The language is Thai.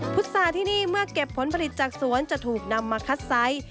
พุษาที่นี่เมื่อเก็บผลผลิตจากสวนจะถูกนำมาคัดไซส์